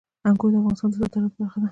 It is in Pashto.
انګور د افغانستان د صادراتو برخه ده.